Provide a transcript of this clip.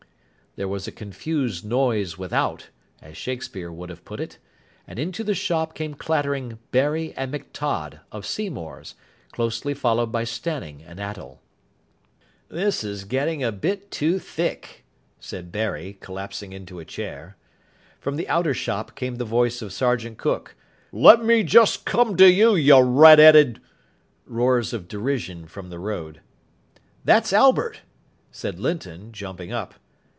There was a "confused noise without", as Shakespeare would put it, and into the shop came clattering Barry and McTodd, of Seymour's, closely followed by Stanning and Attell. "This is getting a bit too thick," said Barry, collapsing into a chair. From the outer shop came the voice of Sergeant Cook. "Let me jest come to you, you red 'eaded " Roars of derision from the road. "That's Albert," said Linton, jumping up.